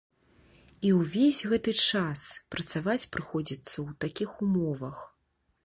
І ўвесь гэты час працаваць прыходзіцца ў такіх умовах.